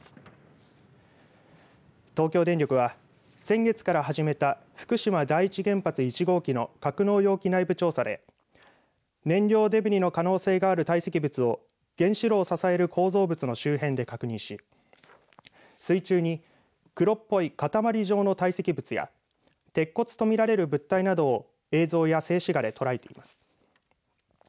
東京電力は、先月から始めた福島第一原発１号機の格納容器内部調査で燃料デブリの可能性がある堆積物を原子炉を支える構造物の周辺で確認し水中に黒っぽい塊状の堆積物や鉄骨とみられる物体などを映像や静止画でとらえています。